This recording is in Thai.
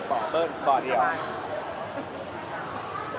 สวัสดีครับ